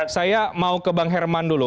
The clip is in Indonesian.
saya mau ke bang herman dulu